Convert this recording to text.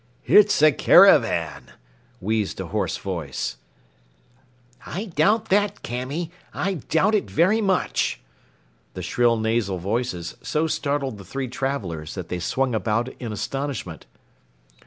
"It's a caravan," wheezed a hoarse voice. "I doubt that, Camy, I doubt it very much." The shrill nasal voices so startled the three travelers that they swung about in astonishment.